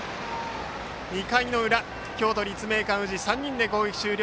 ２回の裏、京都・立命館宇治３人で攻撃終了。